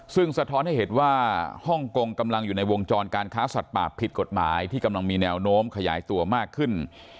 ซึ่งสะท้อนให้เห็นว่าฮ่องกงกำลังอยู่ในวงจรการค้าสัตว์ป่าผิดกฎหมายที่กำลังมีแนวโน้มขยายตัวมากขึ้น